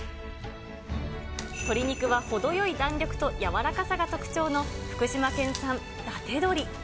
鶏肉は程よい弾力と柔らかさが特徴の福島県産伊達鶏。